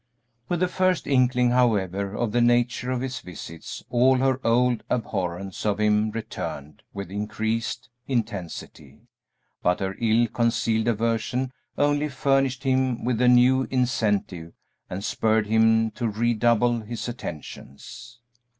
With the first inkling, however, of the nature of his visits, all her old abhorrence of him returned with increased intensity, but her ill concealed aversion only furnished him with a new incentive and spurred him to redouble his attentions.